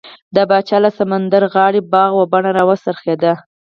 د پاچا له سمندرغاړې باغ و بڼه راوڅرخېدو.